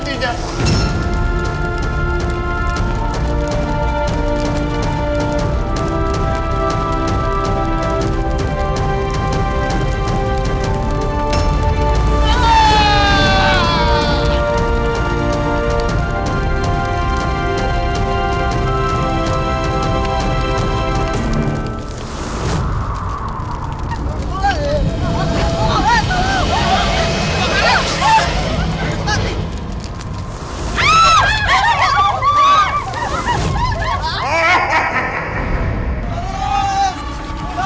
tunggu membalasanku nantinya